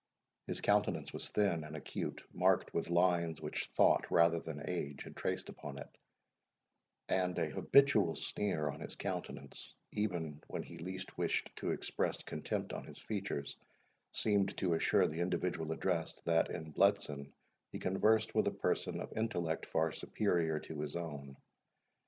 His countenance was thin and acute, marked with lines which thought rather than age had traced upon it; and a habitual sneer on his countenance, even, when he least wished to express contempt on his features, seemed to assure the individual addressed, that in Bletson he conversed with a person of intellect far superior to his own.